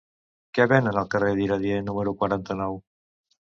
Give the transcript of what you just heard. Què venen al carrer d'Iradier número quaranta-nou?